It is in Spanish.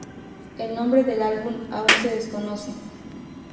El nombre del álbum aún se desconoce.